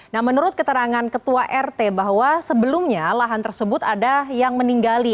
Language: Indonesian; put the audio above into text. nah menurut keterangan ketua rt bahwa sebelumnya lahan tersebut ada yang meninggali